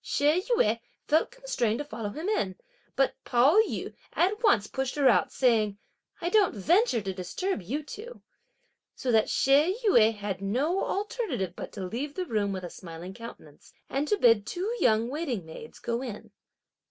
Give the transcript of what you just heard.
She Yüeh felt constrained to follow him in, but Pao yü at once pushed her out, saying: "I don't venture to disturb you two;" so that She Yüeh had no alternative but to leave the room with a smiling countenance, and to bid two young waiting maids go in.